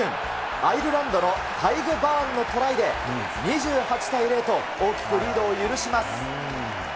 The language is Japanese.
アイルランドのタイグ・バーンのトライで、２８対０と大きくリードを許します。